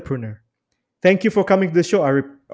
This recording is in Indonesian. terima kasih telah datang ke show ini arief